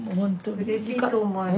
・うれしいと思います。